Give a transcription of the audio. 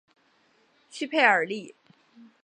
屈佩尔利。